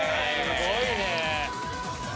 すごいね。